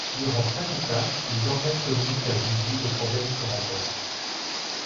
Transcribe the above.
Durant chaque étape les organes communiquent à Buzzy les problèmes qu'ils rencontrent.